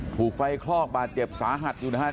ถูกไฟคลอกบาดเจ็บสาหัสอยู่นะครับ